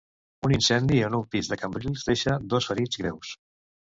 Un incendi en un pis de Cambrils deixa dos ferits greus.